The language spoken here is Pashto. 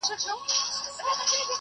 هغه د خپل مخ په مینځلو بوخت دی.